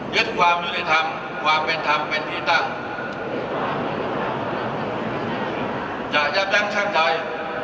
ยึดความยุติธรรมความเป็นธรรมเป็นพิธรรมจะยับดั้งช่างใจ